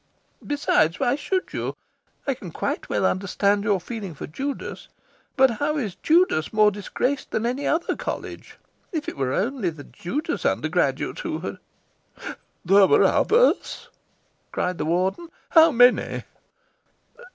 Besides, why should you? I can quite well understand your feeling for Judas. But how is Judas more disgraced than any other College? If it were only the Judas undergraduates who had " "There were others?" cried the Warden. "How many?"